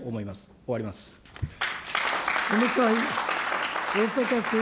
終わります。